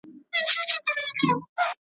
موږ له ذاته پیدا سوي جنتیان یو ,